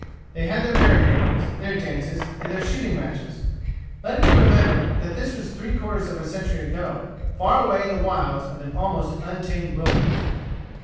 They had their merry makings, their dances, and their shooting matches. Let it be remembered that this was three quarters of a century ago, far away in the wilds of an almost untamed wilderness.